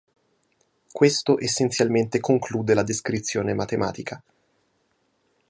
Questo essenzialmente conclude la descrizione matematica.